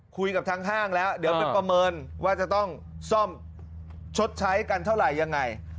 คุยกับทางห้างแล้วเดี๋ยวไปประเมินว่าจะต้องซ่อมชดใช้กันเท่าไหร่ยังไง